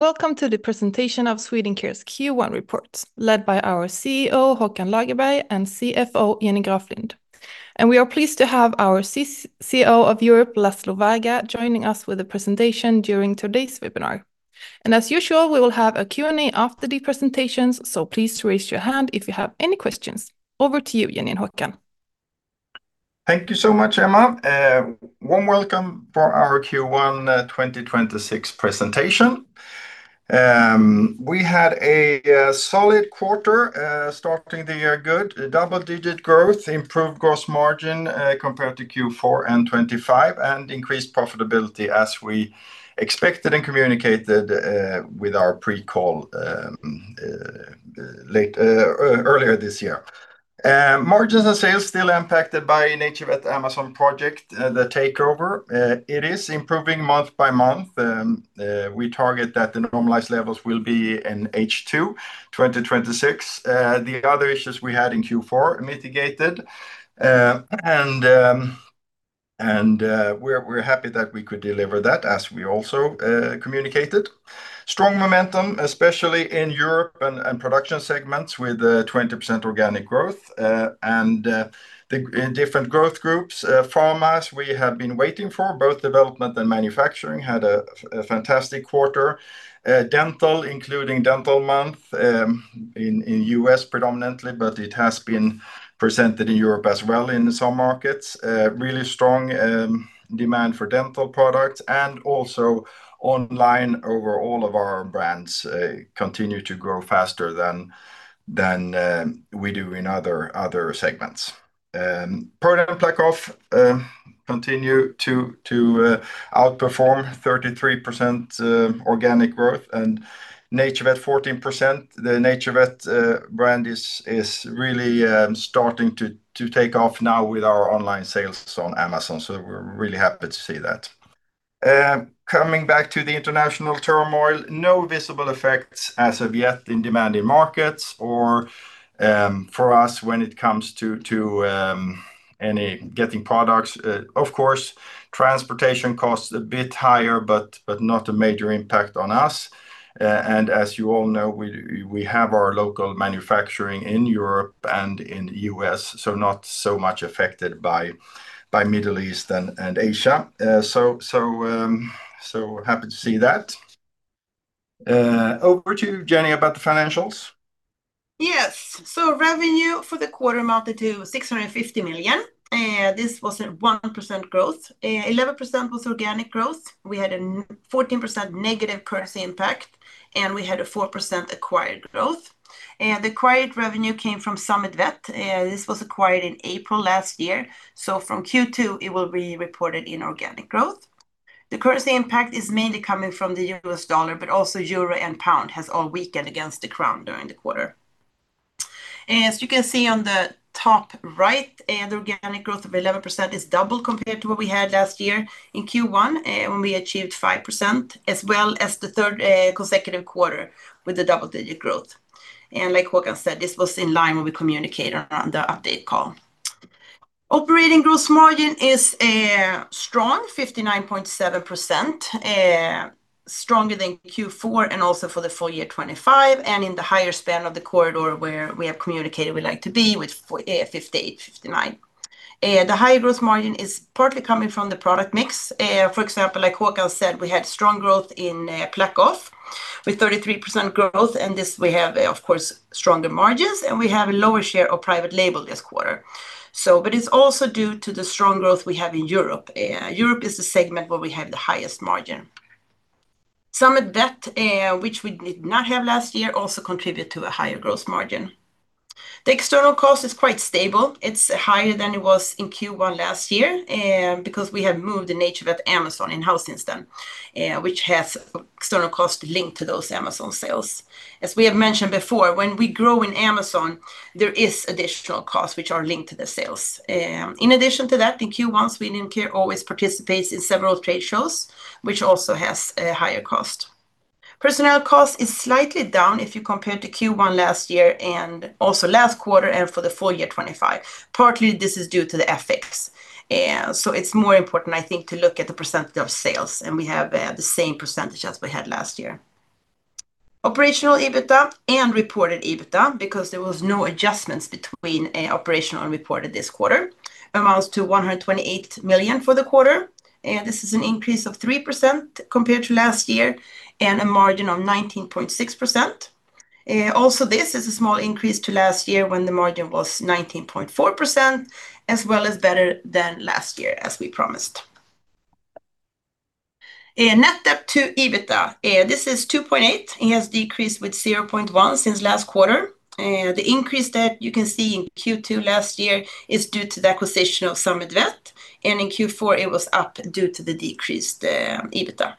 Welcome to the presentation of Swedencare's Q1 report led by our CEO, Håkan Lagerberg and CFO, Jenny Graflind. We are pleased to have our CCO of Europe, Laszlo Varga, joining us with a presentation during today's webinar. As usual, we will have a Q&A after the presentations, so please raise your hand if you have any questions. Over to you, Jenny and Håkan. Thank you so much, Emma. Warm welcome for our Q1 2026 presentation. We had a solid quarter, starting the year good. Double-digit growth, improved gross margin, compared to Q4 and 2025, and increased profitability as we expected and communicated with our pre-call earlier this year. Margins and sales still impacted by NaturVet Amazon project, the takeover. It is improving month by month. We target that the normalized levels will be in H2 2026. The other issues we had in Q4 are mitigated, and we're happy that we could deliver that as we also communicated. Strong momentum, especially in Europe and production segments with 20% organic growth. In different growth groups, pharmas, we have been waiting for both development and manufacturing, had a fantastic quarter. Dental, including Dental Month, in U.S. predominantly, but it has been presented in Europe as well in some markets. Really strong demand for dental products and also online overall of our brands continue to grow faster than we do in other segments. ProDen PlaqueOff continue to outperform 33% organic growth and NaturVet 14%. The NaturVet brand is really starting to take off now with our online sales on Amazon, so we're really happy to see that. Coming back to the international turmoil, no visible effects as of yet in demanding markets or for us when it comes to any getting products. Of course, transportation costs a bit higher but not a major impact on us. As you all know, we have our local manufacturing in Europe and in the U.S., so not so much affected by Middle East and Asia. Happy to see that. Over to you, Jenny, about the financials. Yes. Revenue for the quarter amounted to 650 million. This was a 1% growth. 11% was organic growth. We had a -14% currency impact, and we had a 4% acquired growth. The acquired revenue came from Summit Vet. This was acquired in April last year. From Q2, it will be reported in organic growth. The currency impact is mainly coming from the US dollar, but also euro and pound has all weakened against the crown during the quarter. As you can see on the top right, the organic growth of 11% is double compared to what we had last year in Q1, when we achieved 5%, as well as the third consecutive quarter with the double-digit growth. Like Håkan said, this was in line when we communicated on the update call. Operating gross margin is a strong 59.7%, stronger than Q4 and also for the full year 2025 and in the higher span of the corridor where we have communicated we'd like to be with 58%-59%. The high gross margin is partly coming from the product mix. For example, like Håkan said, we had strong growth in PlaqueOff with 33% growth, and this we have, of course, stronger margins, and we have a lower share of private label this quarter. It's also due to the strong growth we have in Europe. Europe is the segment where we have the highest margin. Summit Vet, which we did not have last year, also contribute to a higher gross margin. The external cost is quite stable. It's higher than it was in Q1 last year, because we have moved the NaturVet Amazon in-house since then, which has external cost linked to those Amazon sales. As we have mentioned before, when we grow in Amazon, there is additional costs which are linked to the sales. In addition to that, in Q1, Swedencare always participates in several trade shows, which also has a higher cost. Personnel cost is slightly down if you compare to Q1 last year and also last quarter and for the full year 2025. Partly this is due to the FX. It's more important, I think, to look at the percentage of sales, and we have the same percentage as we had last year. Operational EBITDA and reported EBITDA, because there was no adjustments between operational and reported this quarter, amounts to 128 million for the quarter. This is an increase of 3% compared to last year and a margin of 19.6%. This is a small increase to last year when the margin was 19.4%, as well as better than last year as we promised. Net debt to EBITDA, this is 2.8 and has decreased by 0.1 since last quarter. The increase that you can see in Q2 last year is due to the acquisition of Summit Vet, and in Q4 it was up due to the decreased EBITDA.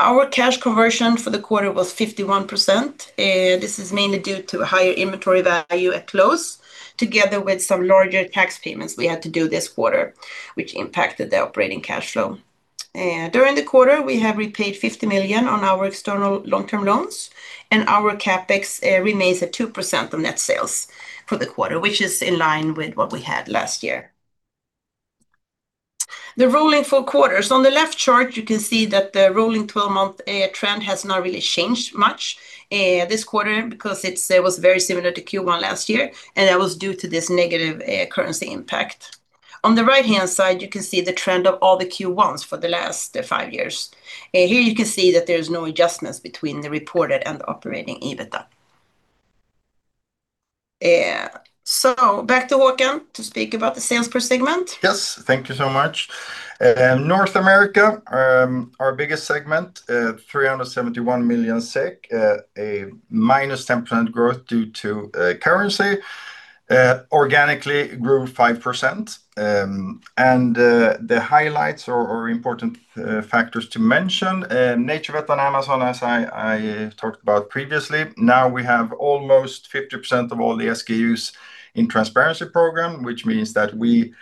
Our cash conversion for the quarter was 51%, and this is mainly due to higher inventory value at close, together with some larger tax payments we had to do this quarter, which impacted the operating cash flow. During the quarter, we have repaid 50 million on our external long-term loans, and our CapEx remains at 2% of net sales for the quarter, which is in line with what we had last year. The rolling four quarters. On the left chart, you can see that the rolling 12-month trend has not really changed much this quarter because it was very similar to Q1 last year, and that was due to this negative currency impact. On the right-hand side, you can see the trend of all the Q1s for the last five years. Here you can see that there's no adjustments between the reported and the operating EBITDA. Back to Håkan to speak about the sales per segment. Yes. Thank you so much. North America, our biggest segment, 371 million SEK, a -10% growth due to currency, organically grew 5%. The highlights or important factors to mention, NaturVet on Amazon, as I talked about previously. Now we have almost 50% of all the SKUs in Transparency program, which means that we,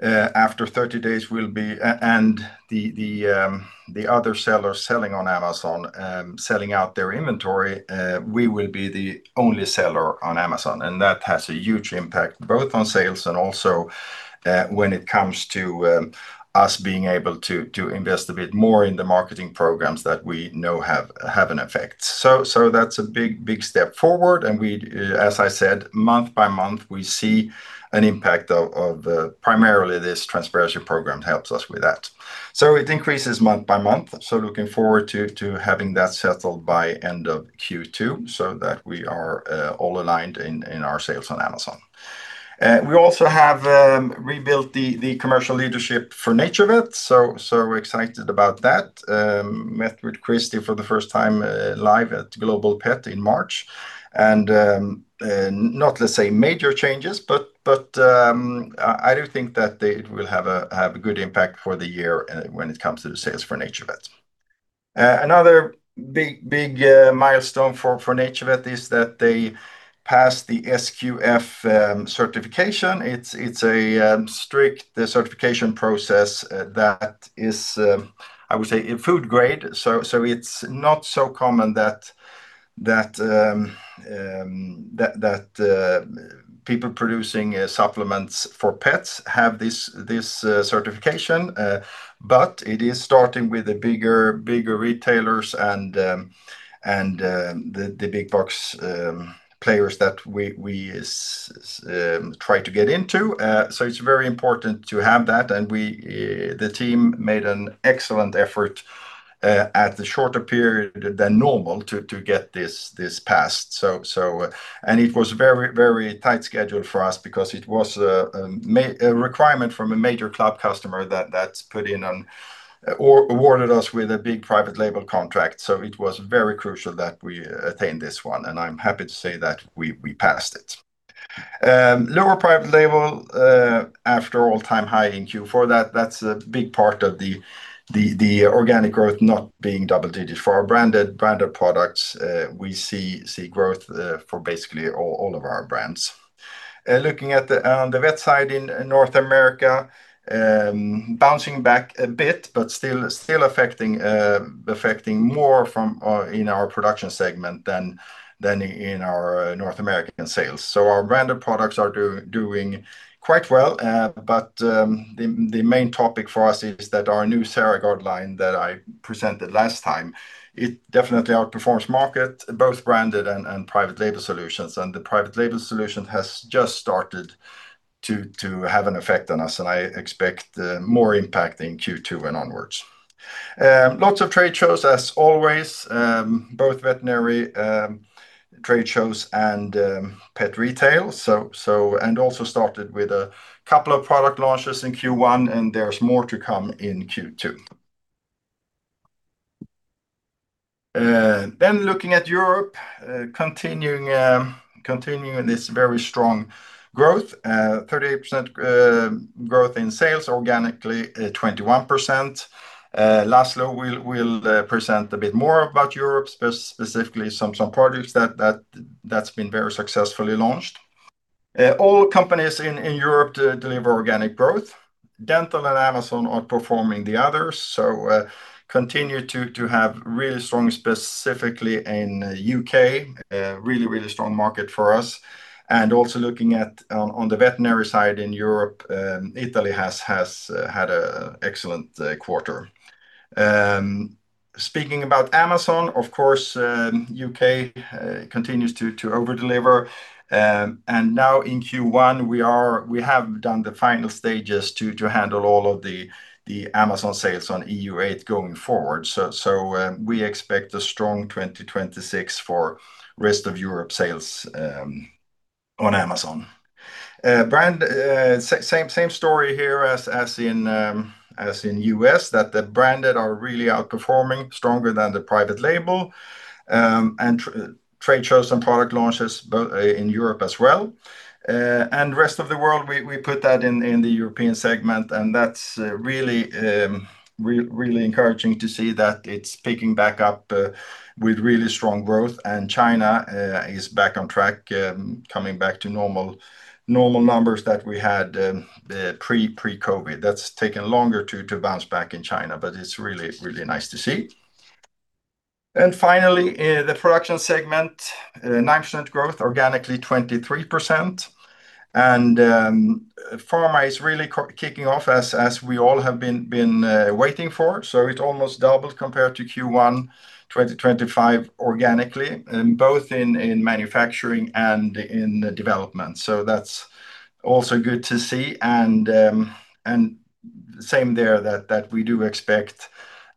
after 30 days, and the other sellers selling on Amazon, selling out their inventory, we will be the only seller on Amazon. That has a huge impact both on sales and also when it comes to us being able to invest a bit more in the marketing programs that we know have an effect. That's a big step forward and as I said, month by month, we see an impact of primarily this Transparency program helps us with that. It increases month by month. Looking forward to having that settled by end of Q2 so that we are all aligned in our sales on Amazon. We also have rebuilt the commercial leadership for NaturVet, so we're excited about that. Met with Kristy for the first time live at Global Pet in March. Not, let's say, major changes, but I do think that it will have a good impact for the year when it comes to the sales for NaturVet. Another big milestone for NaturVet is that they passed the SQF certification. It's a strict certification process that is, I would say, food grade. It's not so common that people producing supplements for pets have this certification. It is starting with the bigger retailers and the big box players that we try to get into. It's very important to have that, and the team made an excellent effort at the shorter period than normal to get this passed. It was a very tight schedule for us because it was a requirement from a major club customer that's put on, or awarded us with a big private label contract. It was very crucial that we attain this one, and I'm happy to say that we passed it. Our private label, after all-time high in Q4, that's a big part of the organic growth not being double-digit for our branded products. We see growth for basically all of our brands. Looking at the vet side in North America, bouncing back a bit, but still affecting more in our production segment than in our North American sales. Our branded products are doing quite well. The main topic for us is that our new CeraGuard line that I presented last time, it definitely outperforms market, both branded and private label solutions, and the private label solution has just started to have an effect on us, and I expect more impact in Q2 and onwards. Lots of trade shows, as always, both veterinary trade shows and pet retail. We also started with a couple of product launches in Q1, and there's more to come in Q2. Looking at Europe, continuing this very strong growth, 38% growth in sales, organically at 21%. Laszlo will present a bit more about Europe, specifically some products that's been very successfully launched. All companies in Europe deliver organic growth. Dental and Amazon outperforming the others. We continue to have really strong, specifically in U.K., a really, really strong market for us. Also looking on the veterinary side in Europe, Italy has had an excellent quarter. Speaking about Amazon, of course, U.K. continues to over-deliver. Now in Q1, we have done the final stages to handle all of the Amazon sales on EU8 going forward. We expect a strong 2026 for rest of Europe sales on Amazon. Same story here as in U.S., that the branded are really outperforming stronger than the private label, and trade shows and product launches in Europe as well. Rest of the world, we put that in the European segment, and that's really encouraging to see that it's picking back up with really strong growth. China is back on track, coming back to normal numbers that we had pre-COVID. That's taken longer to bounce back in China, but it's really nice to see. Finally, the production segment, 9% growth, organically 23%. Pharma is really kicking off as we all have been waiting for. It almost doubled compared to Q1 2025 organically, both in manufacturing and in development. That's also good to see. Same there, that we do expect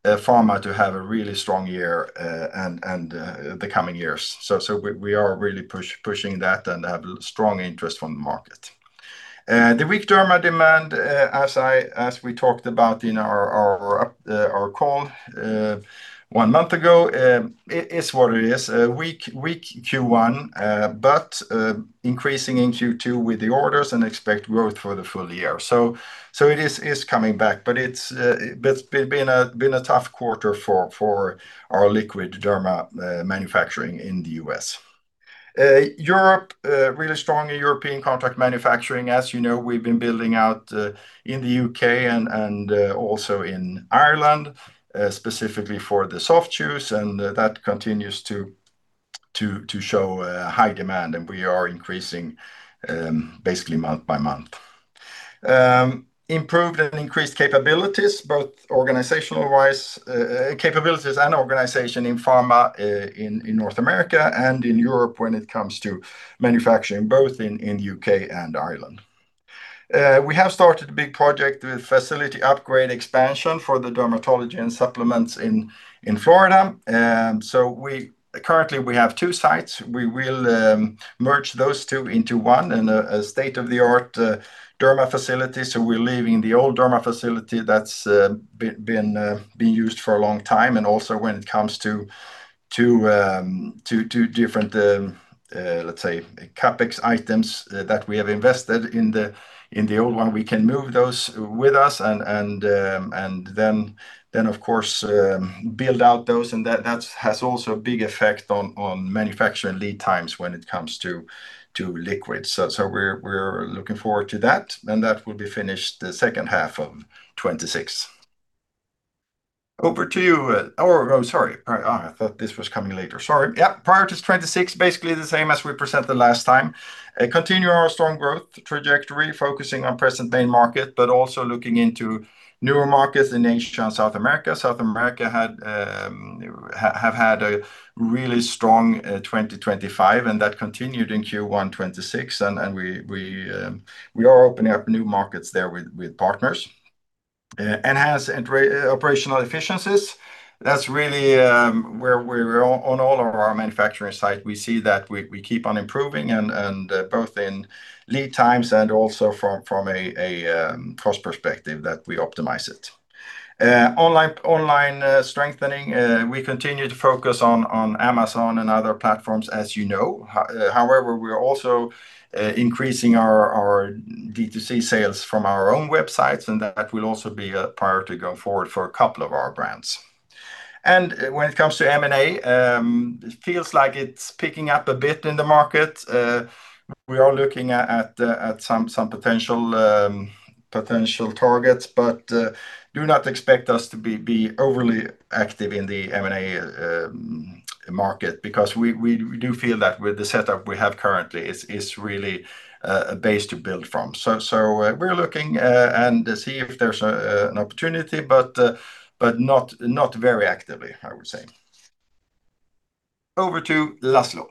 pharma to have a really strong year and the coming years. We are really pushing that and have strong interest from the market. The weak derma demand, as we talked about in our call one month ago, it is what it is, a weak Q1, but increasing in Q2 with the orders and expect growth for the full year. It is coming back, but it's been a tough quarter for our liquid derma manufacturing in the U.S. In Europe, really strong in European contract manufacturing. As you know, we've been building out in the U.K. and also in Ireland, specifically for the soft chews, and that continues to show a high demand. We are increasing basically month by month, improved and increased capabilities, both organizational-wise, capabilities and organization in pharma in North America and in Europe when it comes to manufacturing, both in U.K. and Ireland. We have started a big project with facility upgrade expansion for the dermatology and supplements in Florida. Currently we have two sites. We will merge those two into one in a state-of-the-art derma facility. We're leaving the old derma facility that's been used for a long time. Also when it comes to two different, let's say, CapEx items that we have invested in the old one, we can move those with us and then, of course, build out those. That has also a big effect on manufacturing lead times when it comes to liquids. We're looking forward to that, and that will be finished the second half of 2026. Over to you. Or, I'm sorry, I thought this was coming later. Sorry. Yeah, priorities 2026, basically the same as we presented last time. Continue our strong growth trajectory, focusing on present main market, but also looking into newer markets in Asia and South America. South America have had a really strong 2025, and that continued in Q1 2026. We are opening up new markets there with partners. Enhance operational efficiencies. That's really where we're on all of our manufacturing sites. We see that we keep on improving and both in lead times and also from a cost perspective, that we optimize it. Online strengthening. We continue to focus on Amazon and other platforms, as you know. However, we are also increasing our D2C sales from our own websites, and that will also be a priority going forward for a couple of our brands. When it comes to M&A, it feels like it's picking up a bit in the market. We are looking at some potential targets, but do not expect us to be overly active in the M&A market because we do feel that with the setup we have currently is really a base to build from. We're looking and see if there's an opportunity, but not very actively, I would say. Over to Laszlo.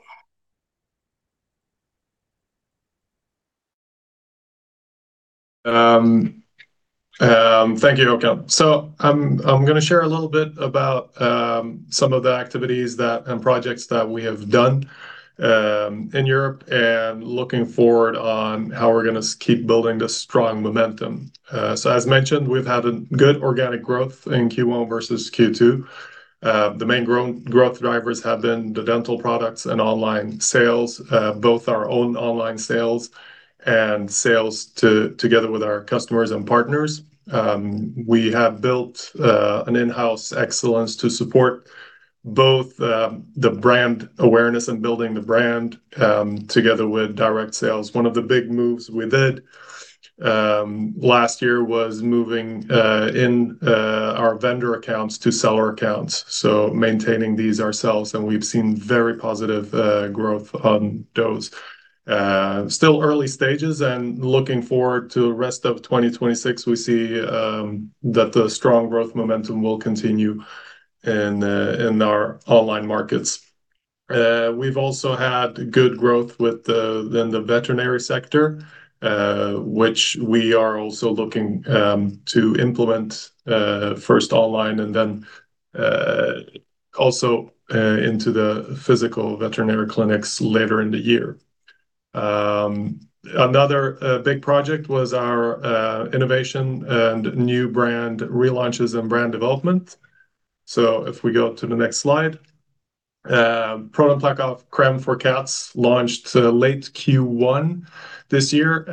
Thank you, Håkan. I'm going to share a little bit about some of the activities and projects that we have done in Europe and looking forward on how we're going to keep building this strong momentum. As mentioned, we've had a good organic growth in Q1 versus Q2. The main growth drivers have been the dental products and online sales, both our own online sales and sales together with our customers and partners. We have built an in-house excellence to support both the brand awareness and building the brand, together with direct sales. One of the big moves we did last year was moving in our vendor accounts to seller accounts. Maintaining these ourselves, and we've seen very positive growth on those. Still early stages and looking forward to the rest of 2026, we see that the strong growth momentum will continue in our online markets. We've also had good growth within the veterinary sector, which we are also looking to implement, first online and then also into the physical veterinary clinics later in the year. Another big project was our innovation and new brand relaunches and brand development. If we go to the next slide. ProDen PlaqueOff Crème for Cats launched late Q1 this year.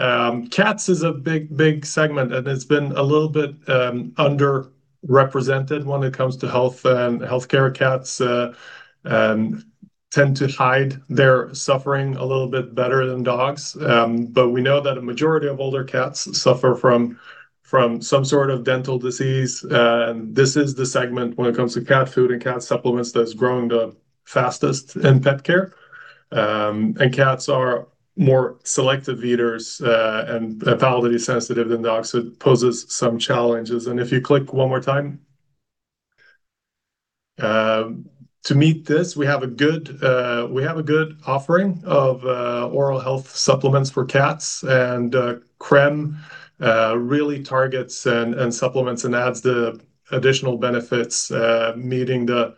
Cats is a big segment, and it's been a little bit underrepresented when it comes to health and healthcare. Cats tend to hide their suffering a little bit better than dogs. But we know that a majority of older cats suffer from some sort of dental disease. This is the segment, when it comes to cat food and cat supplements, that's growing the fastest in pet care. Cats are more selective eaters, and the palatability is more sensitive than dogs, it poses some challenges. If you click one more time. To meet this, we have a good offering of oral health supplements for cats, and Crème really targets and supplements and adds the additional benefits, meeting the.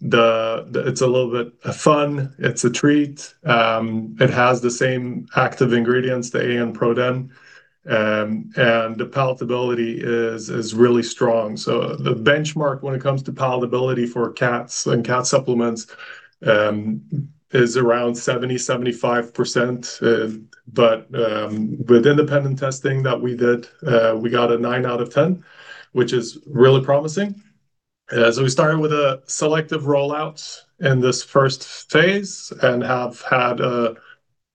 It's a little bit fun, it's a treat. It has the same active ingredients, the A.N ProDen, and the palatability is really strong. The benchmark when it comes to palatability for cats and cat supplements is around 70%-75%. With independent testing that we did, we got a nine out of 10, which is really promising. We started with a selective rollout in this first phase and have had a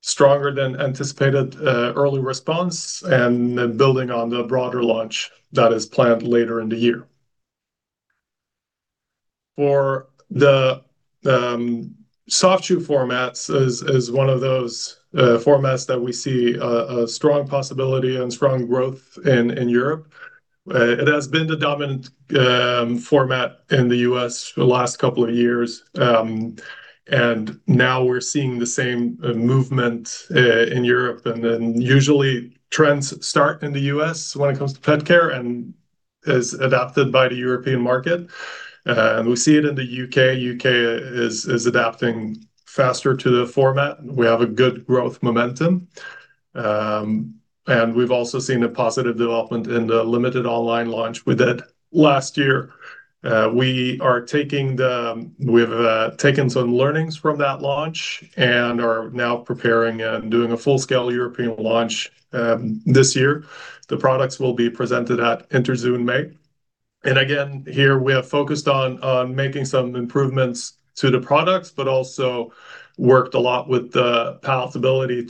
stronger than anticipated early response and then building on the broader launch that is planned later in the year. For the soft chew formats, is one of those formats that we see a strong possibility and strong growth in Europe. It has been the dominant format in the U.S. for the last couple of years. Now we're seeing the same movement in Europe and usually trends start in the U.S. when it comes to pet care and is adapted by the European market. We see it in the U.K., U.K. is adapting faster to the format. We have a good growth momentum. We've also seen a positive development in the limited online launch we did last year. We've taken some learnings from that launch and are now preparing and doing a full-scale European launch this year. The products will be presented at Interzoo in May. Again, here we have focused on making some improvements to the products, but also worked a lot with the palatability.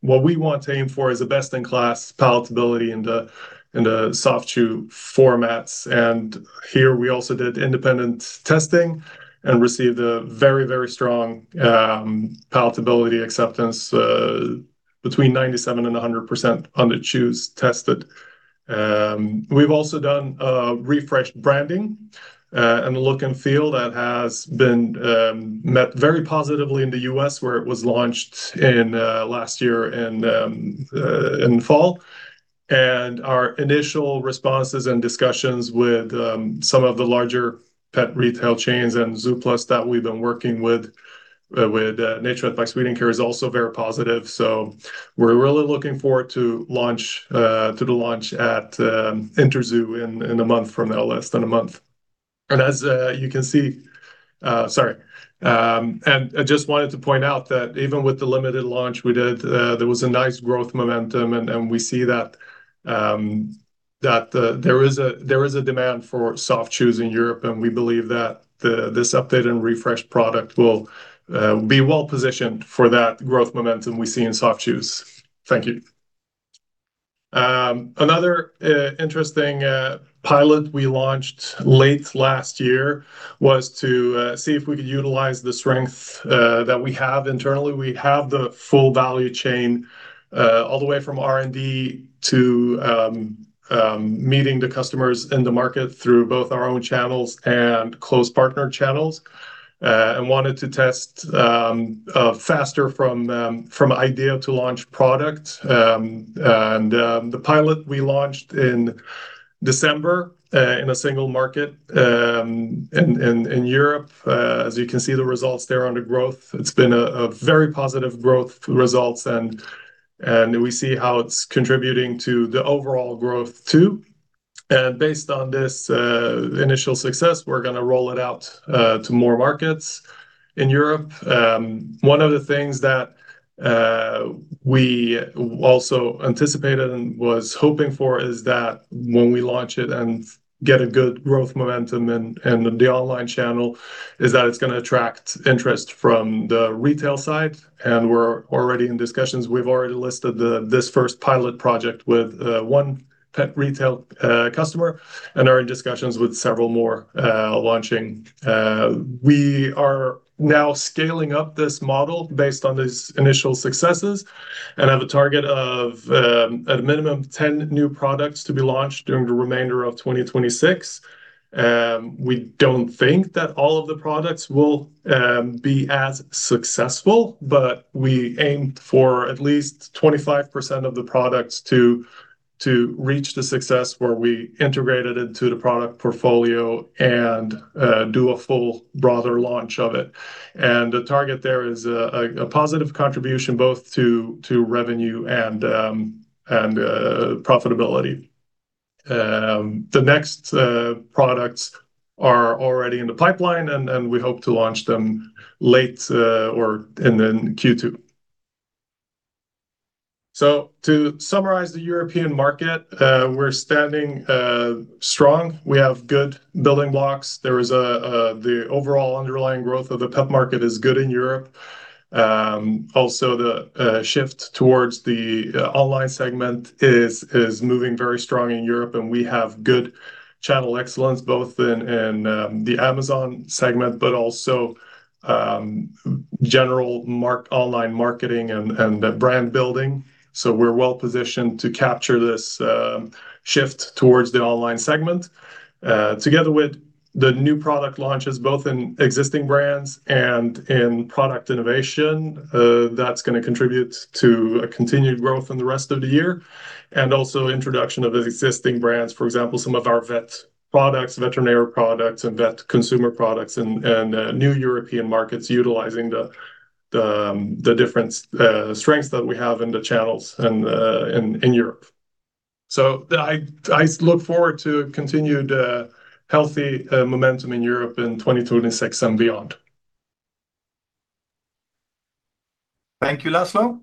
What we want to aim for is a best-in-class palatability in the soft chew formats. Here we also did independent testing and received a very, very strong palatability acceptance, between 97% and 100% on the chews tested. We've also done a refreshed branding, and the look and feel that has been met very positively in the U.S., where it was launched last year in fall. Our initial responses and discussions with some of the larger pet retail chains and Zooplus that we've been working with NaturVet by Swedencare is also very positive. We're really looking forward to the launch at Interzoo in a month from now, less than a month. As you can see. I just wanted to point out that even with the limited launch we did, there was a nice growth momentum, and we see that there is a demand for soft chews in Europe, and we believe that this updated and refreshed product will be well positioned for that growth momentum we see in soft chews. Thank you. Another interesting pilot we launched late last year was to see if we could utilize the strength that we have internally. We have the full value chain, all the way from R&D to meeting the customers in the market through both our own channels and close partner channels, and wanted to test faster from idea to launch product. The pilot we launched in December in a single market in Europe. As you can see, the results there on the growth, it's been a very positive growth results and we see how it's contributing to the overall growth too. Based on this initial success, we're going to roll it out to more markets in Europe. One of the things that we also anticipated and was hoping for is that when we launch it and get a good growth momentum in the online channel, is that it's going to attract interest from the retail side. We're already in discussions. We've already listed this first pilot project with one pet retail customer and are in discussions with several more launching. We are now scaling up this model based on these initial successes and have a target of a minimum of 10 new products to be launched during the remainder of 2026. We don't think that all of the products will be as successful, but we aim for at least 25% of the products to reach the success where we integrate it into the product portfolio and do a full broader launch of it. The target there is a positive contribution both to revenue and profitability. The next products are already in the pipeline, and we hope to launch them late Q1 or in Q2. To summarize the European market, we're standing strong. We have good building blocks. The overall underlying growth of the pet market is good in Europe. Also, the shift towards the online segment is moving very strong in Europe, and we have good channel excellence, both in the Amazon segment, but also general online marketing and brand building. We're well-positioned to capture this shift towards the online segment. Together with the new product launches, both in existing brands and in product innovation, that's going to contribute to a continued growth in the rest of the year, and also introduction of existing brands, for example, some of our vet products, veterinary products, and vet consumer products in new European markets, utilizing the different strengths that we have in the channels and in Europe. I look forward to continued healthy momentum in Europe in 2026 and beyond. Thank you, Laszlo.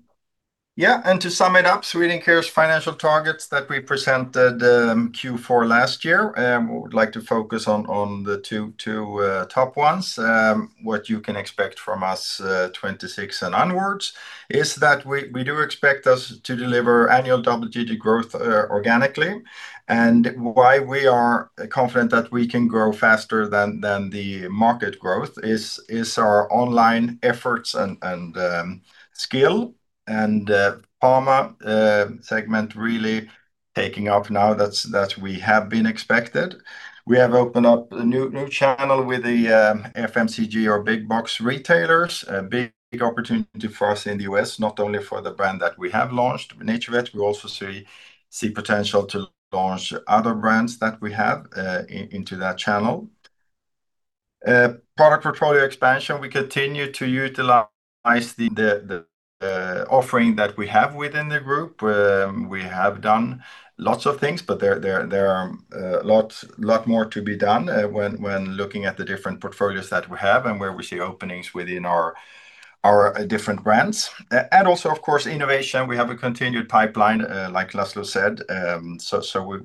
Yeah, to sum it up, Swedencare's financial targets that we presented Q4 last year, we would like to focus on the two top ones. What you can expect from us 2026 and onwards is that we do expect to deliver annual double-digit growth organically, and why we are confident that we can grow faster than the market growth is our online efforts and skill, and pharma segment really taking off now as expected. We have opened up a new channel with the FMCG or big box retailers, a big opportunity for us in the U.S., not only for the brand that we have launched, NaturVet, we also see potential to launch other brands that we have into that channel. Product portfolio expansion, we continue to utilize the offering that we have within the group. We have done lots of things, but there are a lot more to be done when looking at the different portfolios that we have and where we see openings within our different brands. Also, of course, innovation. We have a continued pipeline, like Laszlo said.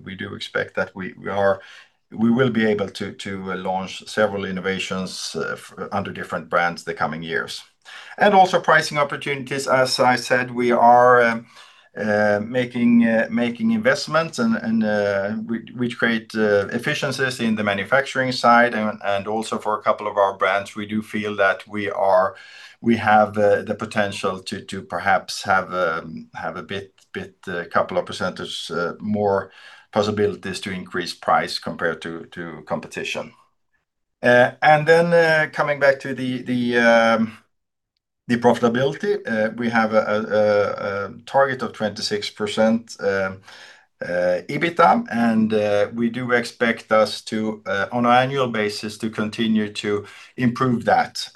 We do expect that we will be able to launch several innovations under different brands the coming years. Also pricing opportunities. As I said, we are making investments which create efficiencies in the manufacturing side, and also for a couple of our brands, we do feel that we have the potential to perhaps have a couple of percentage more possibilities to increase price compared to competition. Coming back to the profitability, we have a target of 26% EBITDA, and we do expect us to, on an annual basis, to continue to improve that.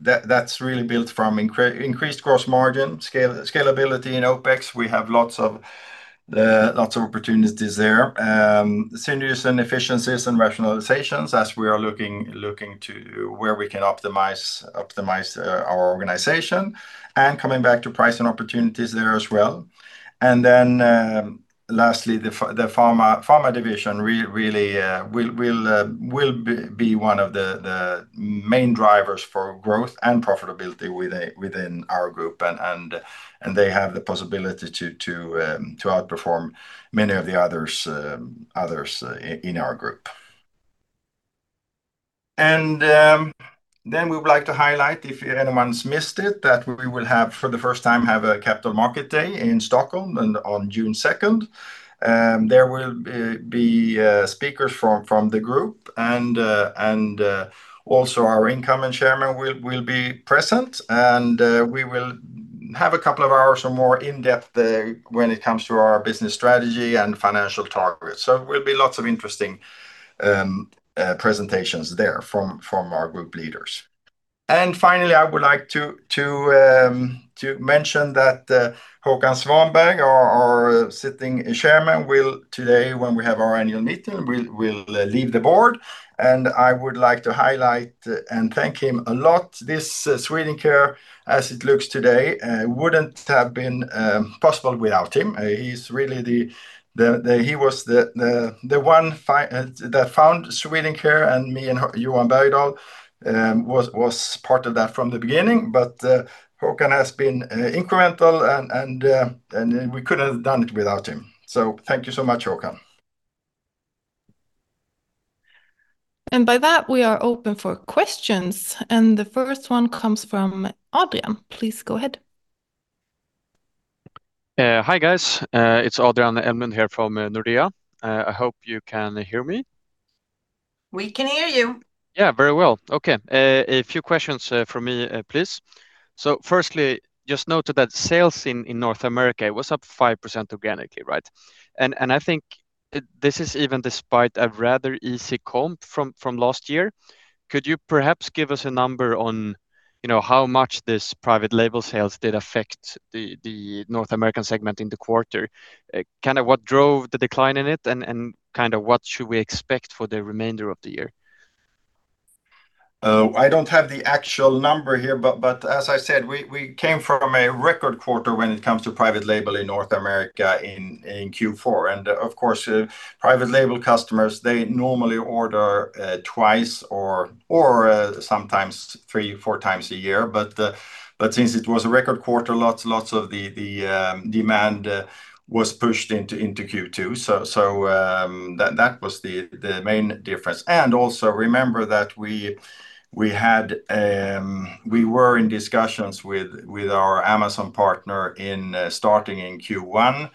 That's really built from increased gross margin, scalability in OPEX. We have lots of opportunities there. Synergies and efficiencies and rationalizations as we are looking to where we can optimize our organization, and coming back to pricing opportunities there as well. Lastly, the pharma division really will be one of the main drivers for growth and profitability within our group. They have the possibility to outperform many of the others in our group. We would like to highlight, if anyone's missed it, that we will, for the first time, have a capital market day in Stockholm on June 2. There will be speakers from the group and also our incoming chairman will be present. We will have a couple of hours or more in-depth when it comes to our business strategy and financial targets. It will be lots of interesting presentations there from our group leaders. Finally, I would like to mention that Håkan Svanberg, our sitting chairman, will today, when we have our annual meeting, leave the board, and I would like to highlight and thank him a lot. This Swedencare, as it looks today, wouldn't have been possible without him. He was the one that founded Swedencare, and me and Johan Bergdahl was part of that from the beginning. But Håkan has been instrumental, and we couldn't have done it without him. Thank you so much, Håkan. By that, we are open for questions. The first one comes from Adrian. Please go ahead. Hi, guys. It's Adrian Elmlund here from Nordea. I hope you can hear me. We can hear you. Yeah, very well. Okay. A few questions from me, please. Firstly, just noted that sales in North America was up 5% organically, right? I think this is even despite a rather easy comp from last year. Could you perhaps give us a number on how much this private label sales did affect the North American segment in the quarter? What drove the decline in it, and what should we expect for the remainder of the year? I don't have the actual number here, but as I said, we came from a record quarter when it comes to private label in North America in Q4. Of course, private label customers, they normally order twice or sometimes 3x-4x a year. Since it was a record quarter, lots of the demand was pushed into Q2. That was the main difference. Also remember that we were in discussions with our Amazon partner starting in Q1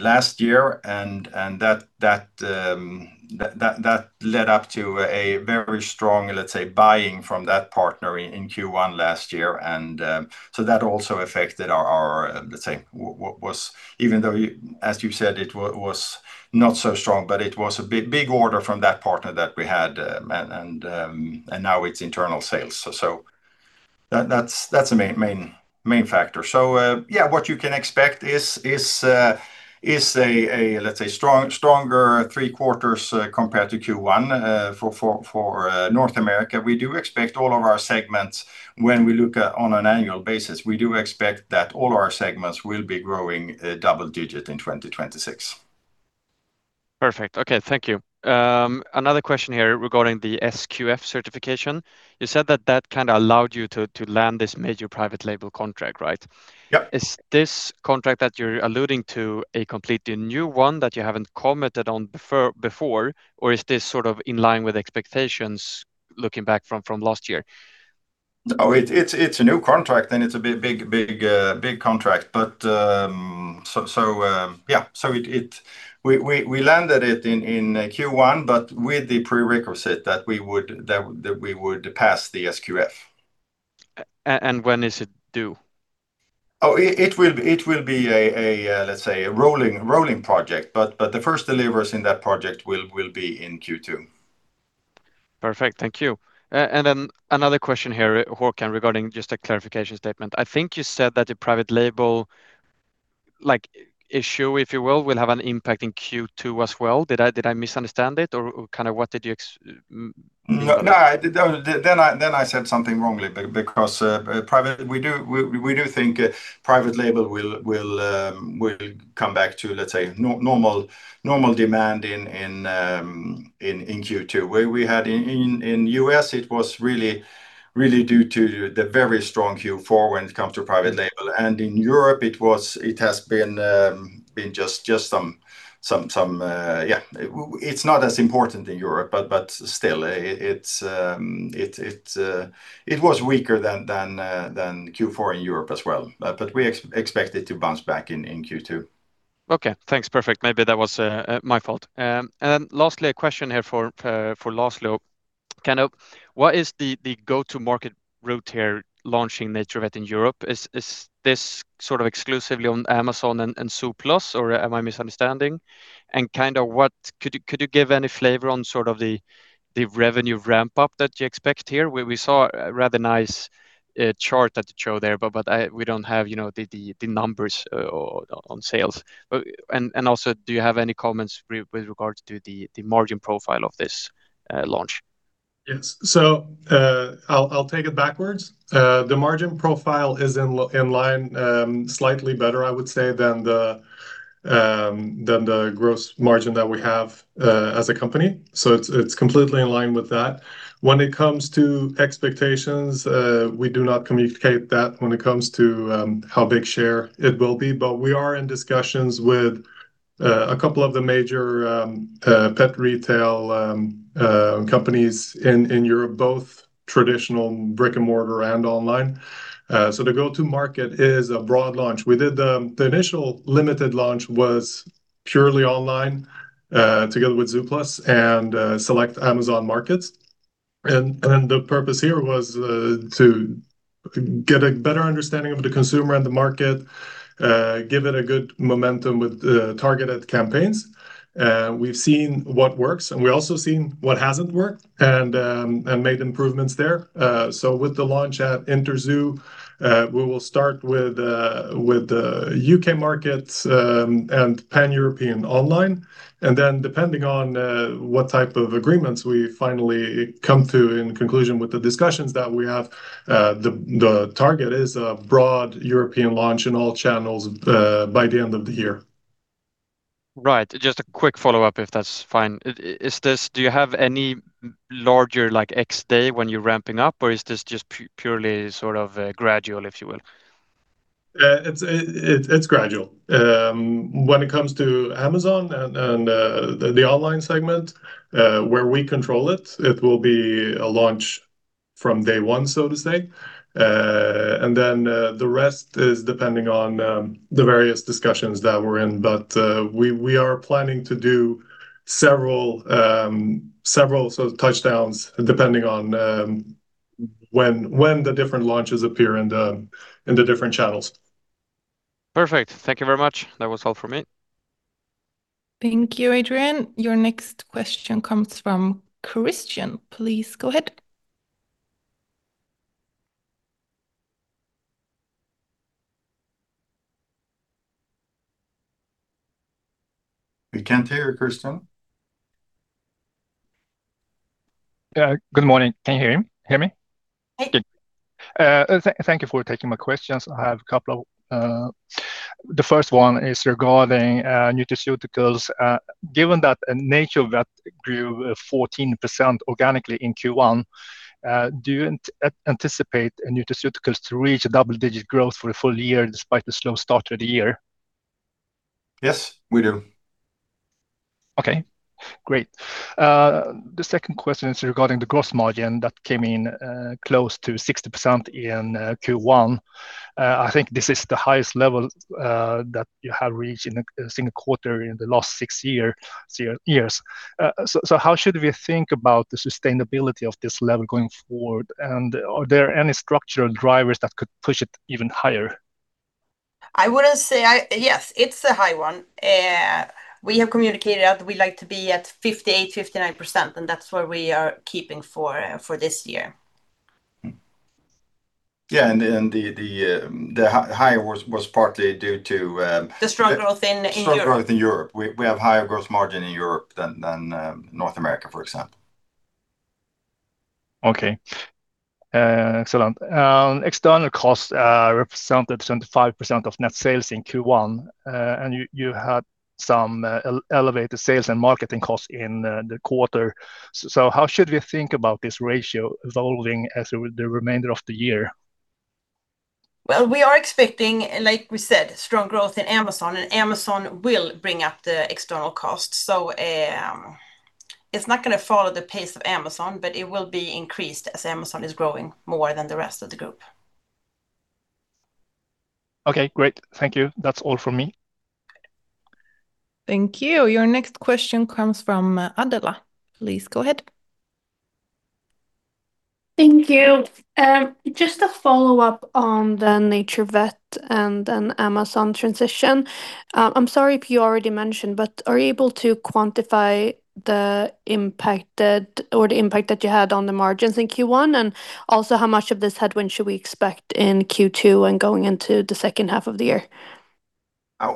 last year, and that led up to a very strong, let's say, buying from that partner in Q1 last year. That also affected our, let's say, even though, as you said, it was not so strong, but it was a big order from that partner that we had, and now it's internal sales. That's the main factor. Yeah, what you can expect is a, let's say, stronger three quarters compared to Q1 for North America. We do expect all of our segments when we look at it on an annual basis. We do expect that all our segments will be growing double-digit in 2026. Perfect. Okay, thank you. Another question here regarding the SQF certification. You said that allowed you to land this major private label contract, right? Yeah. Is this contract that you're alluding to a completely new one that you haven't commented on before, or is this in line with expectations looking back from last year? Oh, it's a new contract, and it's a big contract. Yeah, we landed it in Q1, but with the prerequisite that we would pass the SQF. When is it due? Oh, it will be a, let's say, a rolling project. The first deliveries in that project will be in Q2. Perfect. Thank you. Another question here, Håkan, regarding just a clarification statement. I think you said that the private label issue, if you will have an impact in Q2 as well. Did I misunderstand it, or what did you mean? No, then I said something wrongly, because we do think private label will come back to, let's say, normal demand in Q2. In U.S., it was really due to the very strong Q4 when it comes to private label. In Europe, it's not as important in Europe, but still, it was weaker than Q4 in Europe as well. We expect it to bounce back in Q2. Okay, thanks. Perfect. Maybe that was my fault. Lastly, a question here for Laszlo. What is the go-to market route here launching NaturVet in Europe? Is this exclusively on Amazon and Zooplus, or am I misunderstanding? Could you give any flavor on the revenue ramp-up that you expect here? We saw a rather nice chart that you show there, but we don't have the numbers on sales. Do you have any comments with regards to the margin profile of this launch? Yes. I'll take it backwards. The margin profile is in line, slightly better, I would say, than the gross margin that we have as a company. It's completely in line with that. When it comes to expectations, we do not communicate that when it comes to how big share it will be. We are in discussions with a couple of the major pet retail companies in Europe, both traditional brick-and-mortar and online. The go-to market is a broad launch. We did the initial limited launch was purely online, together with Zooplus and select Amazon markets. Then the purpose here was to get a better understanding of the consumer and the market, give it a good momentum with targeted campaigns. We've seen what works, and we also seen what hasn't worked and made improvements there. With the launch at Interzoo, we will start with U.K. markets, and Pan-European online. Then depending on what type of agreements we finally come to in conclusion with the discussions that we have, the target is a broad European launch in all channels by the end of the year. Right. Just a quick follow-up, if that's fine. Do you have any larger X day when you're ramping up, or is this just purely gradual, if you will? It's gradual. When it comes to Amazon and the online segment, where we control it will be a launch from day one, so to say. Then, the rest is depending on the various discussions that we're in. We are planning to do several touchdowns depending on when the different launches appear in the different channels. Perfect. Thank you very much. That was all from me. Thank you, Adrian. Your next question comes from Christian. Please go ahead. We can't hear you, Christian. Yeah. Good morning. Can you hear me? Hey. Good. Thank you for taking my questions. I have a couple. The first one is regarding nutraceuticals. Given that NaturVet grew 14% organically in Q1, do you anticipate nutraceuticals to reach double-digit growth for a full year despite the slow start to the year? Yes, we do. Okay, great. The second question is regarding the gross margin that came in close to 60% in Q1. I think this is the highest level that you have reached in a single quarter in the last six years. How should we think about the sustainability of this level going forward? Are there any structural drivers that could push it even higher? Yes, it's a high one. We have communicated that we like to be at 58%-59%, and that's where we are keeping for this year. Yeah, the higher was partly due to. The strong growth in Europe. Strong growth in Europe. We have higher growth margin in Europe than North America, for example. Okay. Excellent. External costs represented 75% of net sales in Q1, and you had some elevated sales and marketing costs in the quarter. How should we think about this ratio evolving as with the remainder of the year? Well, we are expecting, like we said, strong growth in Amazon, and Amazon will bring up the external cost. It's not going to follow the pace of Amazon, but it will be increased as Amazon is growing more than the rest of the group. Okay, great. Thank you. That's all from me. Thank you. Your next question comes from Adela. Please go ahead. Thank you. Just a follow-up on the NaturVet and then Amazon transition. I'm sorry if you already mentioned, but are you able to quantify the impact that you had on the margins in Q1, and also, how much of this headwind should we expect in Q2 and going into the second half of the year?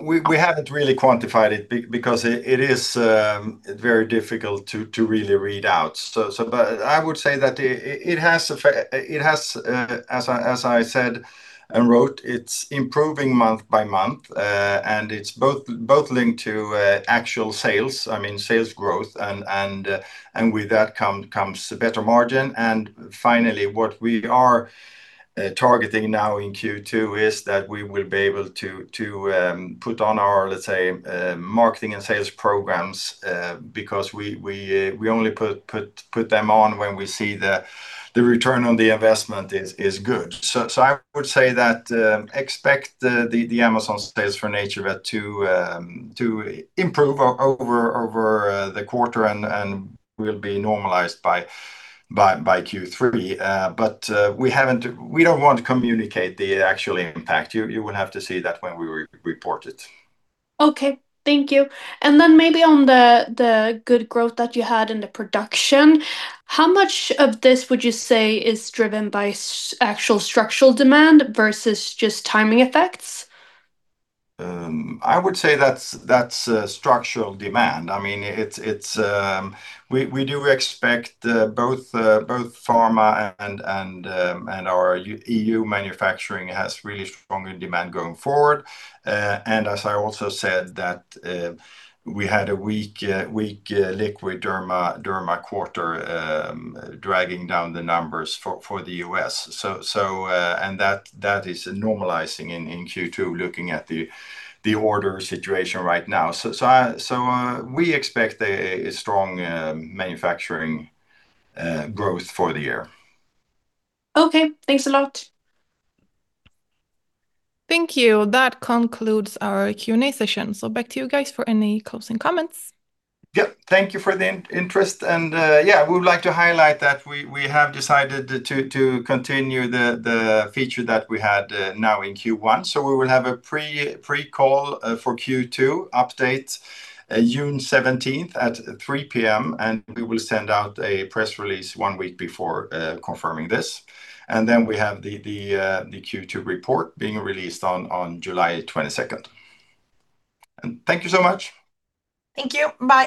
We haven't really quantified it because it is very difficult to really read out. I would say that it has, as I said and wrote, it's improving month by month. It's both linked to actual sales growth and with that comes a better margin. Finally, what we are targeting now in Q2 is that we will be able to put on our, let's say, marketing and sales programs, because we only put them on when we see the return on the investment is good. I would say that expect the Amazon sales for NaturVet to improve over the quarter and will be normalized by Q3. We don't want to communicate the actual impact. You will have to see that when we report it. Okay, thank you. Maybe on the good growth that you had in the production, how much of this would you say is driven by actual structural demand versus just timing effects? I would say that's structural demand. We do expect both pharma and our EU manufacturing has really strong demand going forward. As I also said that we had a weak liquid derma quarter dragging down the numbers for the U.S. That is normalizing in Q2, looking at the order situation right now. We expect a strong manufacturing growth for the year. Okay. Thanks a lot. Thank you. That concludes our Q&A session. Back to you guys for any closing comments. Yep. Thank you for the interest. We would like to highlight that we have decided to continue the feature that we had now in Q1. We will have a pre-call for Q2 update June 17 at 3:00 P.M., and we will send out a press release one week before confirming this. We have the Q2 report being released on July 22. Thank you so much. Thank you. Bye